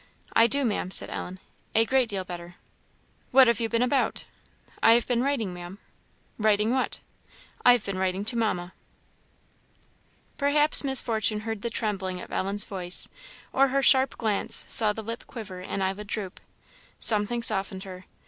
"I do, Maam," said Ellen "a great deal better." "What have you been about?" "I have been writing, Maam." "Writing what?" "I have been writing to Mamma." Perhaps Miss Fortune heard the trembling of Ellen's voice, or her sharp glance saw the lip quiver and eyelid droop. Something softened her.